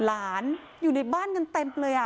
หลานอยู่ในบ้านกันเต็มเลย